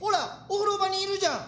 お風呂場にいるじゃん。